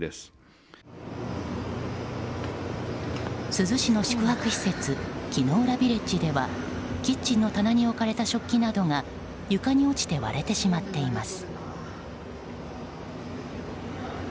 珠洲市の宿泊施設木ノ浦ビレッジではキッチンの棚に置かれた食器などが床に落ちて割れてしまっています。